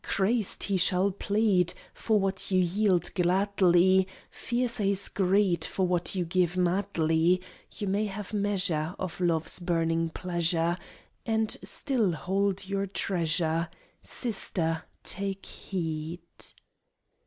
Crazed, he shall plead, For what you yield gladly, Fiercer his greed, For what you give madly; You may have measure Of love's burning pleasure And still hold your treasure.... Sister take heed!